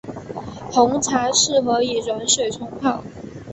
红茶适合以软水冲泡。